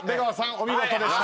お見事でした。